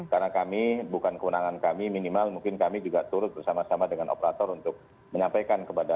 karena kami bukan kewenangan kami minimal mungkin kami juga turut bersama sama dengan operator untuk menyampaikan kebalikan